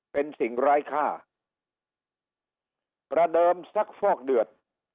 เป็นสิ่งร้ายค่าประเดิมสักฟอกเดือด